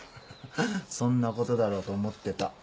そんなことだろうと思ってた。